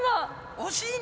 惜しいね！